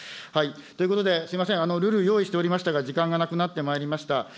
ということですみません、るる用意しておりましたが、時間がなくなってまいりました。